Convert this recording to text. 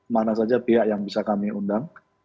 mana saja pihak yang bisa kami undang